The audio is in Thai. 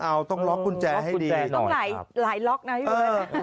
เอาต้องล็อกกุญแจให้ดีต้องหลายล็อกนะพี่เบิร์ต